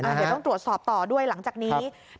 เดี๋ยวต้องตรวจสอบต่อด้วยหลังจากนี้